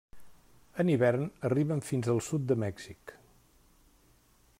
En hivern arriben fins al sud de Mèxic.